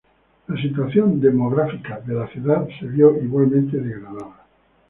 La situación demográfica de la ciudad se vio igualmente degradada.